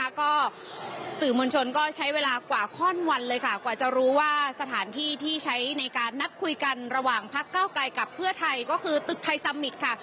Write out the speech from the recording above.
แล้วก็สื่อมวลชนก็ใช้เวลากว่าข้อนวันเลยค่ะกว่าจะรู้ว่าสถานที่ที่ใช้ในการนัดคุยกันระหว่างพักเก้าไกลกับเพื่อไทยก็คือตึกไทยซัมมิตค่ะ